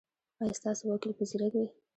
ایا ستاسو وکیل به زیرک وي؟